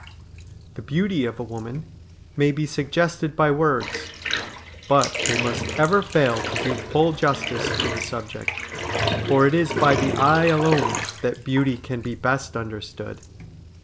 The beauty of a woman may be suggested by words, but they must ever fail to do full justice to the subject, for it is by the eye alone that beauty can be best understood.